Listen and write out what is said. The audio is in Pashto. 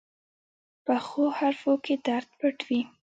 پخو حرفو کې درد پټ وي